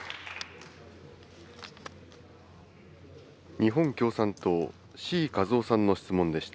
日本共産党、志位和夫さんの質問でした。